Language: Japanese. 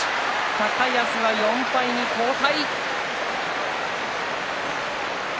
高安は４敗に後退。